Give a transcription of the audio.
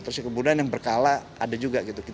terus kemudian yang berkala ada juga gitu